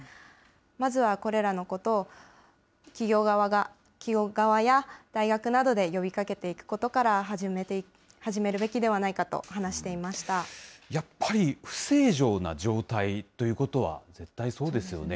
まずはこれらのことを、企業側や大学などで呼びかけていくことから始めるべきではないかやっぱり不正常な状態ということは絶対そうですよね。